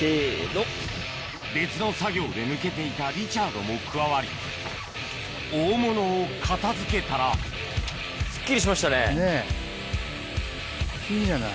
別の作業で抜けていたリチャードも加わり大物を片付けたらねぇいいじゃない。